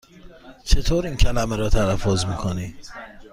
چطور این کلمه را تلفظ می کنی؟